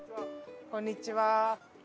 こんにちは。